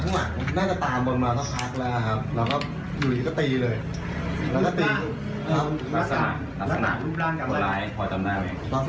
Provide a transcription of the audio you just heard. อยู่ดีเขาวิ่งมาจากทางหลัง